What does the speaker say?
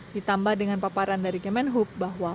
ditambah dengan paparan dari kemenhub bahwa